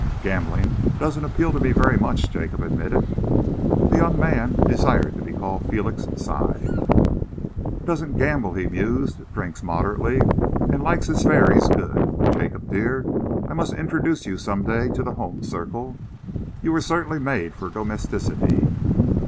"Gambling doesn't appeal very much to me," Jacob admitted. The young man who desired to be called Felix sighed. "Doesn't gamble," he mused, "drinks moderately, and likes his fairies good. Jacob dear, I must introduce you some day to the home circle. You were certainly made for domesticity.